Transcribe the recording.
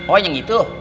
oh yang itu